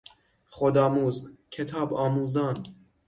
خودآموز، کتاب آموزان